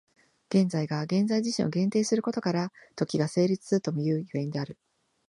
現在が現在自身を限定することから、時が成立するともいう所以である。